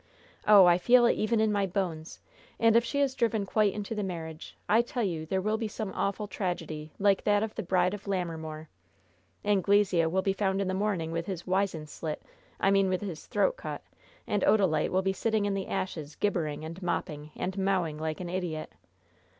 Oh! I feel it even in my bones! And if she is driven quite into the marriage, I tell you there will be some awful tragedy like that of the Bride of Lammermoor! Anglesea will be found in the morning with his wizen slit I mean with his throat cut and Odalite will be sitting in the ashes gibbering and mopping and mowing like an idiot!"